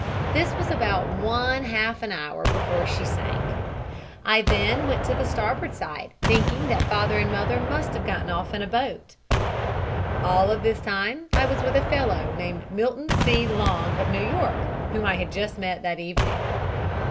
This was about one half an hour before she sank. I then went to the starboard side, thinking that father and mother must have gotten off in a boat. All of this time I was with a fellow named Milton C. Long, of New York, whom I had just met that evening.